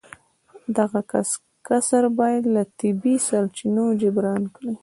دغه کسر باید له طبیعي سرچینو جبران کړي